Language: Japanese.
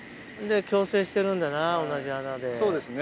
で共生してるんだな同じ穴で。